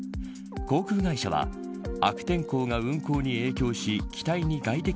航空会社は悪天候が運航に影響し機体に外的